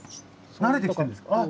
慣れてきてるんですか？